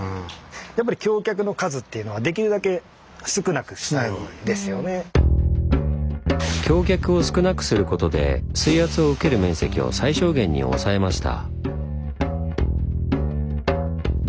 やっぱり橋脚を少なくすることで水圧を受ける面積を最小限に抑えました。